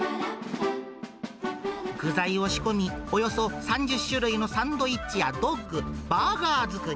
具材を仕込み、およそ３０種類のサンドイッチや、ドック、バーガー作り。